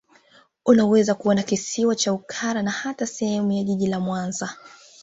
Unaweza kuona Kisiwa cha Ukara na hata sehemu ya Jiji la Mwanza